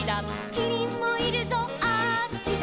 「キリンもいるぞあっちだ」